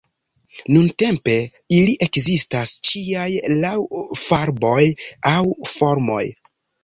Nuntempe ili ekzistas ĉiaj laŭ farboj aŭ formoj.